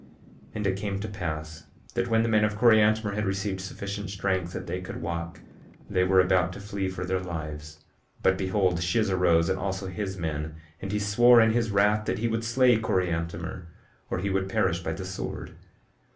15:28 And it came to pass that when the men of Coriantumr had received sufficient strength that they could walk, they were about to flee for their lives; but behold, Shiz arose, and also his men, and he swore in his wrath that he would slay Coriantumr or he would perish by the sword.